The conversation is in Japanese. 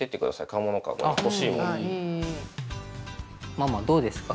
ママどうですか？